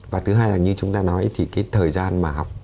và thứ hai là như chúng ta nói thì cái thời gian mà học